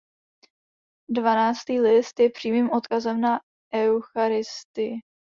Dvanáctý list je přímým odkazem na eucharistii.